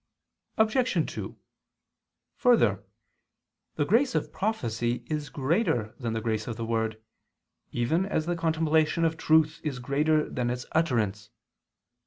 Obj. 2: Further, the grace of prophecy is greater than the grace of the word, even as the contemplation of truth is greater than its utterance.